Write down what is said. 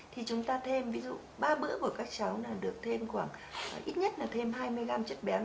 thì chúng ta thêm ví dụ ba bữa của các cháu là được thêm khoảng ít nhất là thêm hai mươi gram chất béo